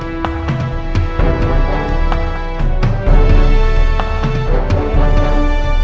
มาดูโชคดี